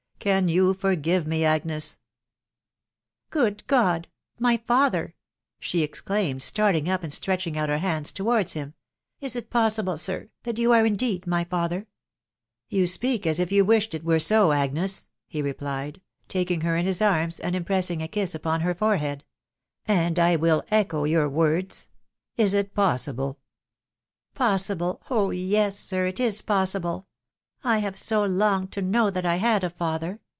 ... Can you forgive me, Agnes ?"" Good God !.... My father !" she exclaimed, starting up, and 'stretching out her hands towards him. " Is it possible, sir, that you are indeed my father ?"" You speak as if you wished it were so, Agnes," he re plied, taking her in his arras, and impressing a kiss upon her forehead, " and I will echo your words .•.. Is it pos sible?" " Possible !.... O ! yes, sir, it is possible. ... I have so longed to know that I had a father